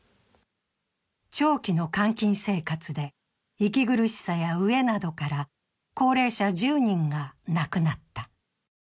長期の監禁生活で息苦しさや飢えなどから高齢者１０人が亡くなった。